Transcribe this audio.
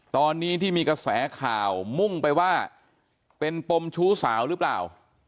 ตอนนี้ที่มีกระแสข่าวมุ่งไปว่าเป็นปมชู้สาวหรือเปล่า